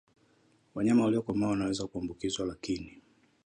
Wanyama waliokomaa wanaweza kuambukizwa lakini